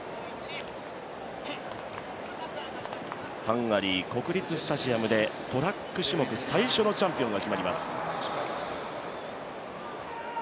ハンガリー国立スタジアムでトラック種目最初のチャンピオンが決まります。